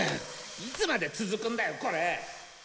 いつまで続くんだよこれ！